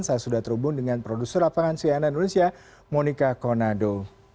saya sudah terhubung dengan produser lapangan cnn indonesia monika konado